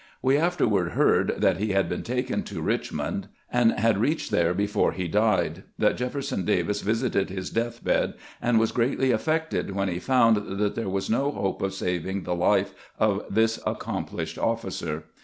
We afterward heard that he had been taken to Richmond, and had THROUGH RAIN AND MUD 121 readied there before lie died ; that Jefferson Davis visited his death bed, and was greatly affected when he found that there was no hope of saving the life of this accom plished officer.